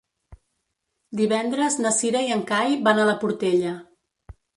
Divendres na Cira i en Cai van a la Portella.